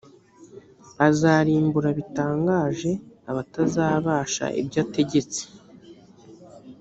azarimbura bitangaje abatazabasha ibyo ategetse